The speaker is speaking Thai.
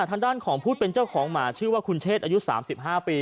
ทางด้านของพูดเป็นเจ้าของหมาชื่อว่าคุณเชษฐ์อายุสามสิบห้าปี